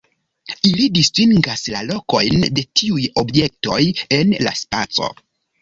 Ili distingas la lokojn de tiuj objektoj en la spaco.